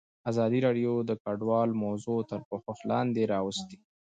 ازادي راډیو د کډوال موضوع تر پوښښ لاندې راوستې.